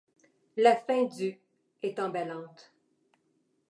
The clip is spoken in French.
La fin du est emballante.